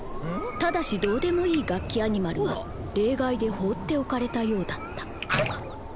ただしどうでもいいガッキアニマルは例外で放っておかれたようだった。